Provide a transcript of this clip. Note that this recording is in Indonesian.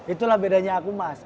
itulah bedanya aku mas